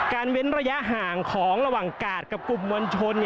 เว้นระยะห่างของระหว่างกาดกับกลุ่มมวลชน